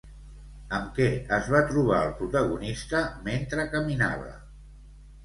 Amb què es va trobar el protagonista mentre caminava?